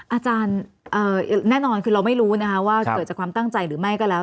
อาจารย์แน่นอนคือเราไม่รู้นะคะว่าเกิดจากความตั้งใจหรือไม่ก็แล้ว